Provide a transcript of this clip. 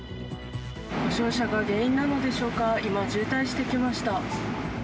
故障車が原因なのでしょうか、今、渋滞してきました。